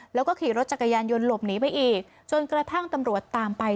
แล้วก็ขี่รถจักรยานยนต์หลบหนีไปอีกจนกระทั่งตำรวจตามไป